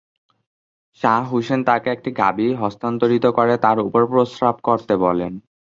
শাহ হুসেন তাকে একটি গাভী হস্তান্তরিত করে তার উপর প্রস্রাব করতে বলেন।